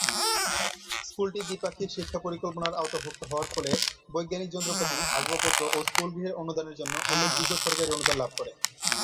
স্কুলটি দ্বিপাক্ষিক শিক্ষা পরিকল্পনার আওতাভুক্ত হওয়ার ফলে বৈজ্ঞানিক যন্ত্রপাতি, আসবাব-পত্র ও স্কুল-গৃহের অনুদানের জন্য উল্লেখযোগ্য সরকারি অনুদান লাভ করে।